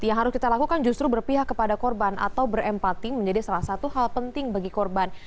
yang harus kita lakukan justru berpihak kepada korban atau berempati menjadi salah satu hal penting bagi korban